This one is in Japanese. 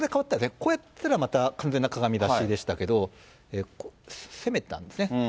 こうやったら、完全なかがみ指しでしたけど、攻めたんですね。